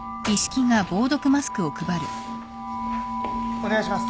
お願いします。